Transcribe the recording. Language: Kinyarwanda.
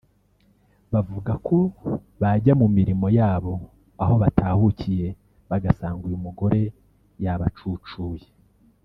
Bavuga ko bajya mu mirimo yabo aho batahukiye bagasanga uyu mugore yabacucuye